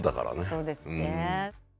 そうですね。